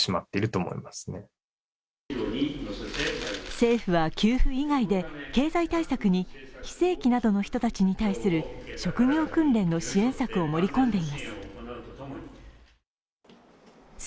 政府は給付以外で経済対策に非正規の人たちなどに対する職業訓練の支援策を盛り込んでいます。